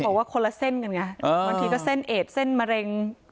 บอกว่าคนละเส้นกันไงบางทีก็เส้นเอดเส้นมะเร็ง